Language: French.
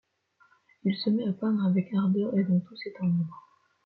Il se met à peindre avec ardeur et dans tous ses temps libres.